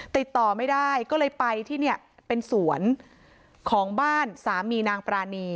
ติดต่อไม่ได้ก็เลยไปที่เนี่ยเป็นสวนของบ้านสามีนางปรานี